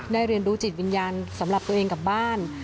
เรียนรู้จิตวิญญาณสำหรับตัวเองกับบ้าน